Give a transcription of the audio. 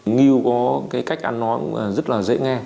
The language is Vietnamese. ngư có cái cách ăn nói rất là dễ nghe